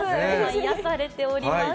癒やされております。